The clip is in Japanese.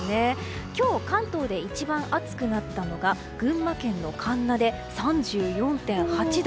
今日、関東で一番暑くなったのが群馬県の神流で３４．８度。